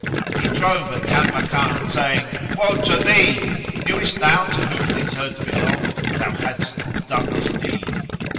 He drove at Kanmakan, saying, "Woe to thee! Knewest thou to whom these herds belong thou hadst not done this deed.